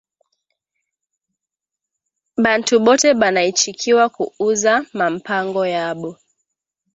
Bantu bote bana ichikiwa ku uza ma mpango yabo